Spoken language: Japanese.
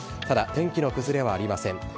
ただ天気の崩れはありません。